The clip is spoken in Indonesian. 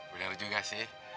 bener juga sih